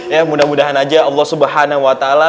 ya mudah mudahan aja allah subhanahu wa ta'ala